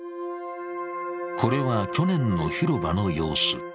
これは去年の広場の様子。